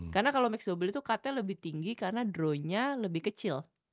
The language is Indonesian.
karena kalau mix double itu cutnya lebih tinggi karena drawnya lebih kecil